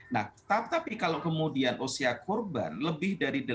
nah tapi kalau kemudian usia korban lebih dari delapan tahun